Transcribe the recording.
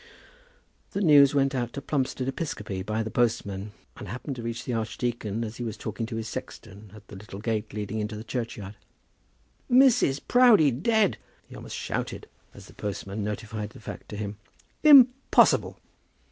The news went out to Plumstead Episcopi by the postman, and happened to reach the archdeacon as he was talking to his sexton at the little gate leading into the churchyard. "Mrs. Proudie dead!" he almost shouted, as the postman notified the fact to him. "Impossible!"